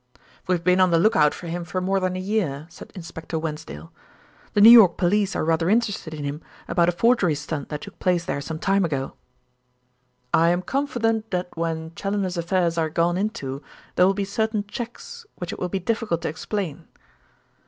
"We've been on the look out for him for more than a year," said Inspector Wensdale. "The New York police are rather interested in him about a forgery stunt that took place there some time ago." "I am confident that when Challoner's affairs are gone into there will be certain cheques which it will be difficult to explain.